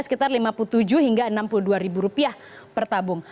sekitar lima puluh tujuh hingga enam puluh dua ribu rupiah per tabung